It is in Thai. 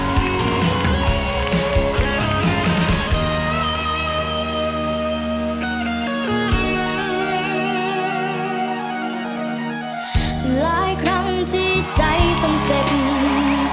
หลายครั้งที่ใจต้องเจ็บ